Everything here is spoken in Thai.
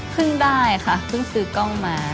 ได้ค่ะเพิ่งซื้อกล้องมา